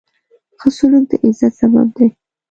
ښه سلوک د عزت سبب دی.